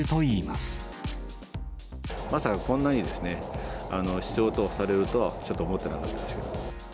まさかこんなに必要とされるとはちょっと思ってなかったです。